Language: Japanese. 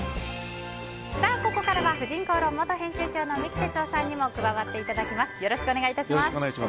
ここからは「婦人公論」元編集長の三木哲男さんにも加わっていただきます。